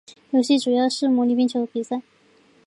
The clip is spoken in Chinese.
游戏主要是模拟冰球比赛。